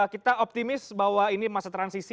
kita optimis bahwa ini masa transisi